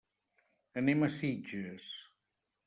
Anem a Sitges.